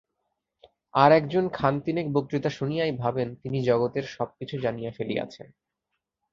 আর একজন খানতিনেক বক্তৃতা শুনিয়াই ভাবেন, তিনি জগতের সব কিছু জানিয়া ফেলিয়াছেন।